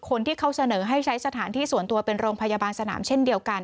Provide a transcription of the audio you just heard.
คนที่เขาเสนอให้ใช้สถานที่ส่วนตัวเป็นโรงพยาบาลสนามเช่นเดียวกัน